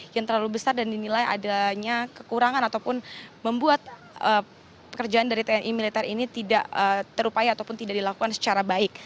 yang terlalu besar dan dinilai adanya kekurangan ataupun membuat pekerjaan dari tni militer ini tidak terupaya ataupun tidak dilakukan secara baik